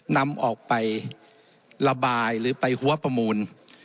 นำออกไประบายหรือไปหัวประมูล